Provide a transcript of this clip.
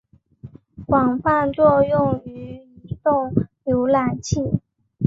广泛作用于移动浏览器。